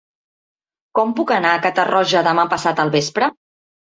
Com puc anar a Catarroja demà passat al vespre?